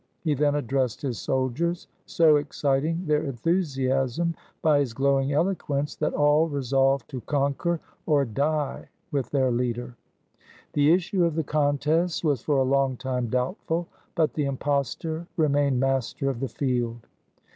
He then addressed his soldiers, so exciting their enthusiasm by his glowing eloquence, that all resolved to conquer, or die with their leader. The issue of the contest was for a long time doubtful; but the impostor remained master of the field.